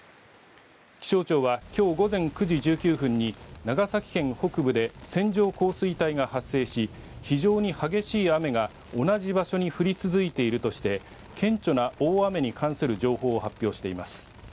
気象庁はきょう午前９時１９分に長崎県北部で線状降水帯が発生し非常に激しい雨が同じ場所に降り続いているとして顕著な大雨に関する情報を発表しています。